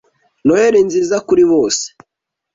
Noheri nziza kuri bose ”